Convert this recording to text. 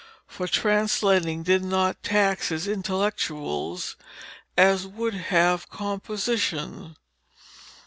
For translating did not tax his "intellectuals" as would have composition.